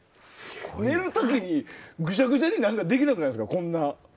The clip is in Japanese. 寝る時にぐちゃぐちゃにできなくないですか。